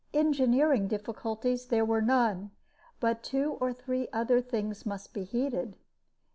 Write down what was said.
Engineering difficulties there were none; but two or three other things must be heeded.